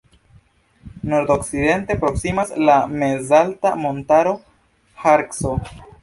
Nordokcidente proksimas la mezalta montaro Harco.